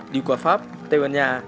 đi qua pháp tây ban nha